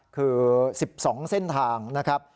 คือ๑๒เส้นทางนะครับ